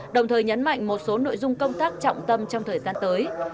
đồng thời nhấn mạnh một số nội dung công tác trọng tâm trong thời gian tới